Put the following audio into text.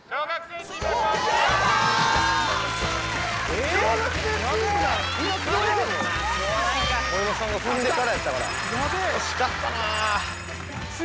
・惜しかったな・